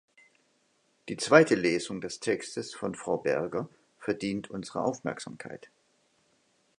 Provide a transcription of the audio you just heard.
Die zweite Lesung des Textes von Frau Berger verdient unsere Aufmerksamkeit.